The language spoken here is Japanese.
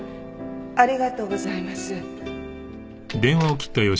ありがとうございます。